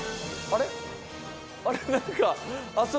あれ？